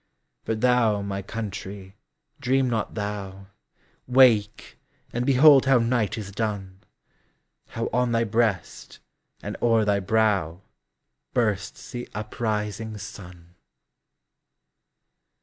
But thou, my Country, dream not thou! Wake, and behold how night is done,—How on thy breast, and o'er thy brow, Bursts the uprising sun!